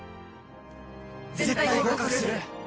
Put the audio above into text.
絶対合格する！